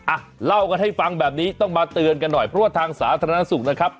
อ่ะเล่ากันให้ฟังแบบนี้ต้องมาเตือนกันหน่อยเพราะว่าทางสาธารณสุขนะครับ